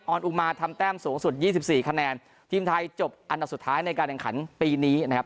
อุมาทำแต้มสูงสุดยี่สิบสี่คะแนนทีมไทยจบอันดับสุดท้ายในการแข่งขันปีนี้นะครับ